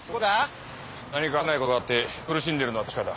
何か話せないことがあって苦しんでるのは確かだ。